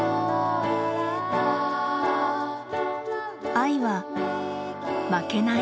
愛は負けない。